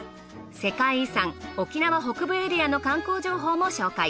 世界遺産沖縄北部エリアの観光情報も紹介。